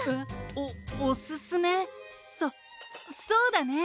そそうだね。